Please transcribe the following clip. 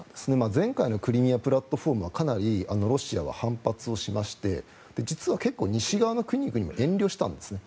前回のクリミア・プラットフォームはかなりロシアは反発をしまして実は結構、西側の国々も遠慮したんですね。